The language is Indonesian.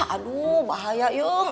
aduh bahaya yung